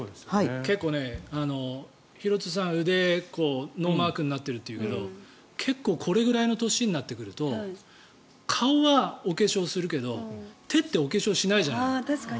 結構、廣津留さん腕、ノーマークになってるというけど結構これくらいの年になってくると顔はお化粧するけど手ってお化粧しないじゃないですか。